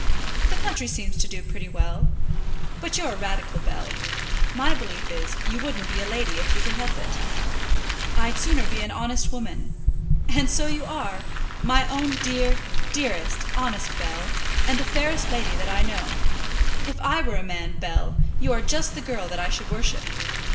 "The country seems to do pretty well. But you're a radical, Bell. My belief is, you wouldn't be a lady if you could help it." "I'd sooner be an honest woman." "And so you are, my own dear, dearest, honest Bell, and the fairest lady that I know. If I were a man, Bell, you are just the girl that I should worship."